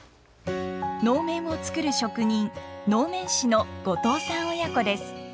能面を作る職人能面師の後藤さん親子です。